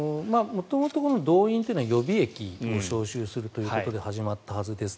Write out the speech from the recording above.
元々、動員というのは予備役を招集するということで始まったはずです。